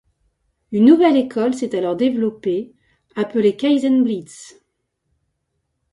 Une nouvelle école s’est alors développée, appelée kaizen blitz.